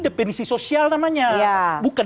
depenisi sosial namanya bukan